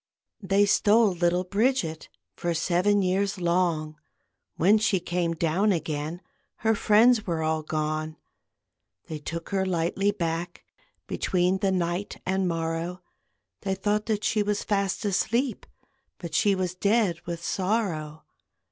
They stole little Bridget For seven years long; When she came down again Her friends were all gone. They took her lightly back, Between the night and morrow; They thought that she was fast asleep, But she was dead with sorrow.